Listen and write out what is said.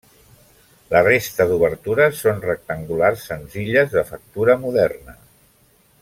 La resta d'obertures són rectangulars senzilles de factura moderna.